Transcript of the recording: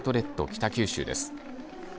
北九州です。